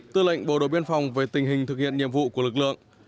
tư lệnh bộ đội biên phòng về tình hình thực hiện nhiệm vụ của lực lượng